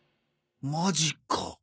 マジか！